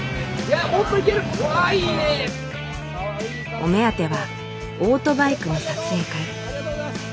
お目当てはオートバイクの撮影会。